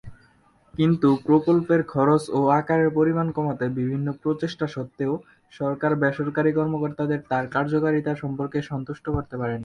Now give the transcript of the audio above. কিন্তু প্রকল্পের খরচ ও আকারের পরিমাণ কমাতে বিভিন্ন প্রচেষ্টা সত্ত্বেও, সরকার বেসরকারি কর্মকর্তাদের তার কার্যকারিতা সম্পর্কে সন্তুষ্ট করতে পারেনি।